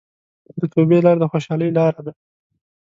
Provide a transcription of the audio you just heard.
د توبې لار د خوشحالۍ لاره ده.